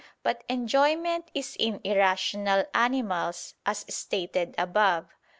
But enjoyment is in irrational animals, as stated above (Q.